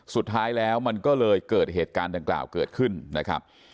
สุดท้ายแล้วมันก็เลยเกิดเหตุการณ์ดังกล่าวเกิดขึ้นนะครับ